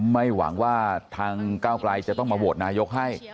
ไม่หวังว่าทางก้าวไกลจะต้องมาโหวตนายกให้